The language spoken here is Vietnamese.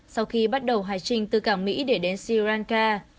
sau khi bắt đầu hải trình từ cảng mỹ để đến sri lanka